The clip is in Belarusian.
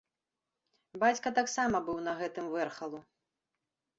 Бацька таксама быў на гэтым вэрхалу.